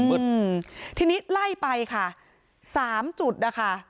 อืมทีนี้ไล่ไปค่ะ๓จุดนะคะ